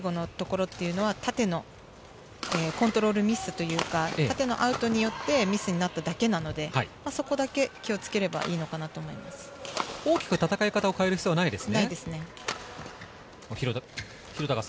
最後のところは縦のコントロールミスというか、縦のアウトによってミスになっただけなので、そこだけ気をつけれ大きく戦い方を変える必要はないです。